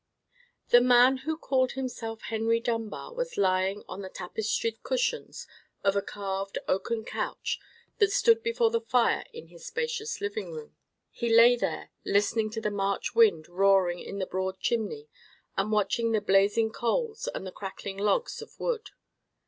The man who called himself Henry Dunbar was lying on the tapestried cushions of a carved oaken couch that stood before the fire in his spacious sitting room. He lay there, listening to the March wind roaring in the broad chimney, and watching the blazing coals and the crackling logs of wood.